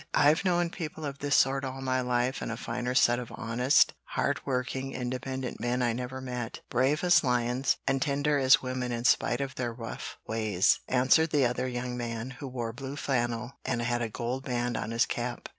I've known people of this sort all my life and a finer set of honest, hardworking, independent men I never met, brave as lions and tender as women in spite of their rough ways," answered the other young man, who wore blue flannel and had a gold band on his cap.